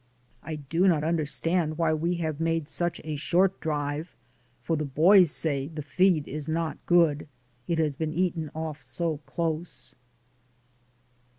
I do not understand why we have made such a short drive, for the boys say the feed is not good, it has been eaten off so close.